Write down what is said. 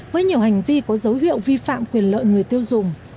với nhiều hành vi có dấu hiệu vi phạm quyền lợi người tiêu dùng